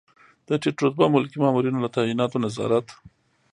د ټیټ رتبه ملکي مامورینو له تعیناتو نظارت.